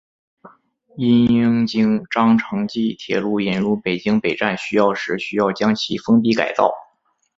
因应京张城际铁路引入北京北站需要时需要将其封闭改造。